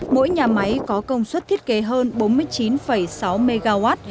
mỗi nhà máy có công suất thiết kế hơn bốn mươi chín sáu mw